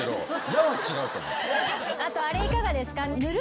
あとあれいかがですか？